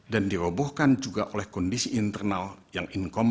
dirobohkan juga oleh kondisi internal yang income